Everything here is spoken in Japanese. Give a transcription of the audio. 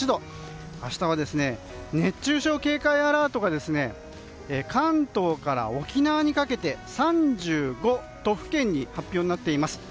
明日は熱中症警戒アラートが関東から沖縄にかけて３５都府県に発表になっています。